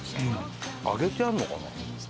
揚げてあるのかな？